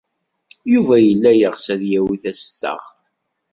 Yuba yella yeɣs ad yawi tastaɣt.